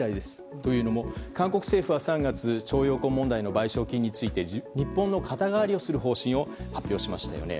というのも、韓国政府は３月、徴用工問題の賠償金について日本の肩代わりをする方針を発表しましたよね。